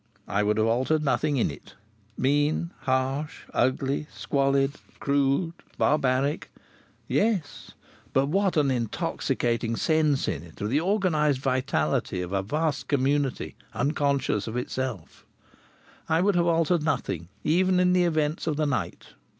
I would have altered nothing in it. Mean, harsh, ugly, squalid, crude, barbaric yes, but what an intoxicating sense in it of the organized vitality of a vast community unconscious of itself! I would have altered nothing even in the events of the night.